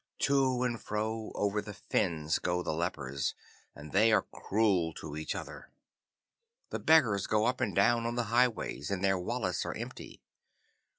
To and fro over the fens go the lepers, and they are cruel to each other. The beggars go up and down on the highways, and their wallets are empty.